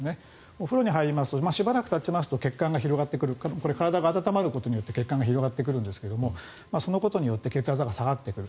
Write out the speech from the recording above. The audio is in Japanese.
お風呂に入りますとしばらくたちますと血管が広がってくる体が温まることによって血管が広がってくるんですがそのことによって血圧が下がってくる。